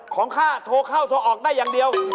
ข้าโทรเข้าโทรออกได้อย่างเดียว